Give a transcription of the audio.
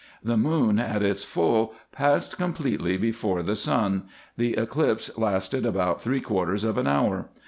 The moon at its full passed completely before the sun. The eclipse lasted about three quarters of an hour.